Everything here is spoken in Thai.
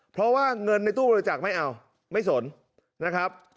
เพราะว่าเงินในตู้บริจาคไม่เอาไม่สนนะครับ